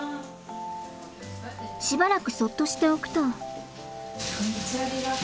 しばらくそっとしておくと。